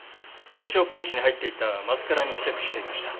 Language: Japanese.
化粧ポーチに入っていたマスカラに付着していました。